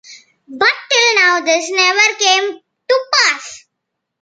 But till now this never came to pass.